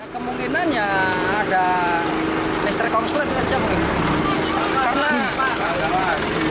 kemungkinannya ada listrik korsleting aja mungkin